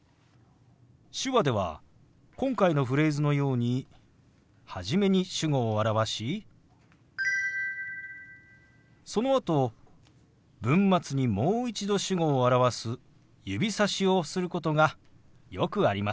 手話では今回のフレーズのように初めに主語を表しそのあと文末にもう一度主語を表す指さしをすることがよくあります。